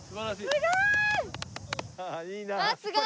すごーい！